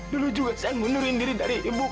dulu juga saya mundurin diri dari ibu